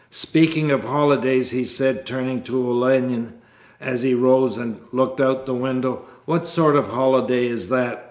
'Speaking of holidays!' he said, turning to Olenin as he rose and looked out of the window, 'What sort of holiday is that!